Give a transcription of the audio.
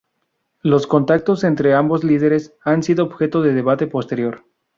Los contactos entre ambos líderes han sido objeto de debate posterior.